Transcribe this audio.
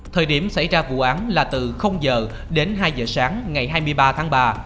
thời điểm xảy ra vụ án là từ h đến hai giờ sáng ngày hai mươi ba tháng ba